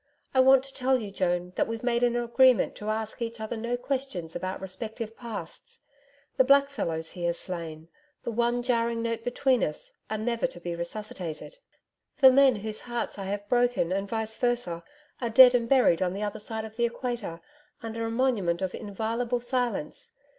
I want to tell you, Joan, that we've made an agreement to ask each other no questions about respective Pasts. The black fellows he has slain the one jarring note between us are never to be resuscitated. The men whose hearts I have broken and VICE VERSA are dead and buried on the other side of the Equator, under a monument of inviolable silence.